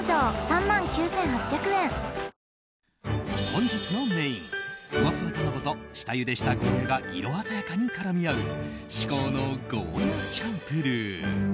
本日のメインふわふわ卵と下ゆでしたゴーヤが色鮮やかに絡み合う至高のゴーヤチャンプルー。